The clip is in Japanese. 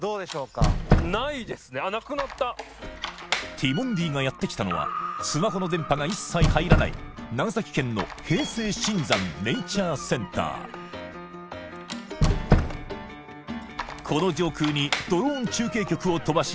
ティモンディがやってきたのはスマホの電波が一切入らない長崎県のこの上空にドローン中継局を飛ばし